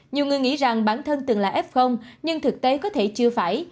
nhiều người nghĩ rằng bản thân từng là f nhưng thực tế có thể chưa phải